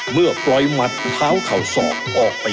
เมื่อปล่อยหมัดเท้าเข่าศอกออกไป